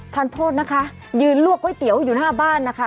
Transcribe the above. ทานโทษนะคะยืนลวกก๋วยเตี๋ยวอยู่หน้าบ้านนะคะ